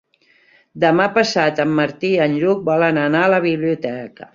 Demà passat en Martí i en Lluc volen anar a la biblioteca.